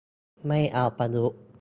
ไม่เอาประยุทธ์